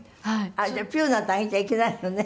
あっじゃあピューなんて上げちゃいけないのね。